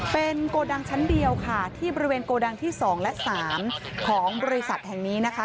เป็นโกดังชั้นเดียวค่ะที่บริเวณโกดังที่๒และ๓ของบริษัทแห่งนี้นะคะ